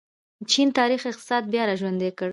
چین تاریخي اقتصاد بیا راژوندی کړ.